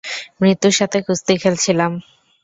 মৃত্যুর সাথে কুস্তি খেলছিলাম।